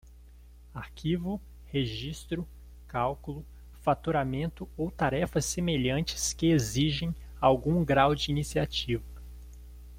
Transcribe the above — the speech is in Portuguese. Arquivo, registro, cálculo, faturamento ou tarefas semelhantes que exigem algum grau de iniciativa.